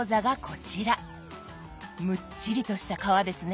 むっちりとした皮ですね。